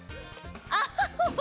アハハハ。